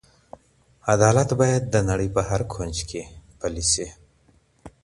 عدالت باید د نړۍ په هر کونج کې پلی شي.